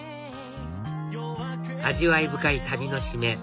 味わい深い旅の締め